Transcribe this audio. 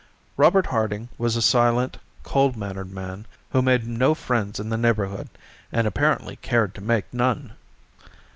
Robert Harding was a silent, cold mannered man who made no friends in the neighborhood and apparently cared to make none.